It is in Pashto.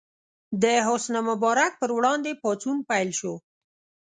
د حسن مبارک پر وړاندې پاڅون پیل شو.